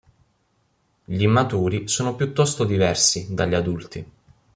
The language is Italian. Gli immaturi sono piuttosto diversi dagli adulti.